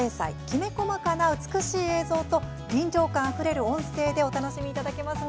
きめ細かな美しい映像と臨場感あふれる音声でお楽しみいただけます。